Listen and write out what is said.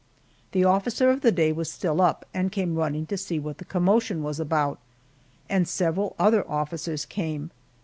The officer of the day was still up and came running to see what the commotion was about and several other officers came.